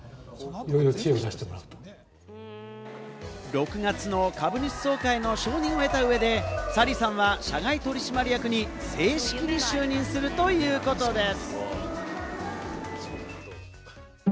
６月の株主総会の承認を得た上で、サリーさんは社外取締役に正式に就任するということです。